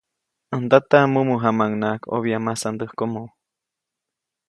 ʼÄj ndata, mumu jamaʼuŋnaʼajk ʼobya masandäjkomo.